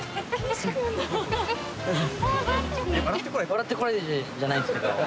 『笑ってコラえて！』じゃないんですけど。